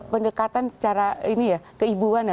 pendekatan secara ini ya keibuan ya